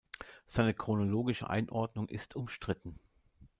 Seine chronologische Einordnung ist umstritten.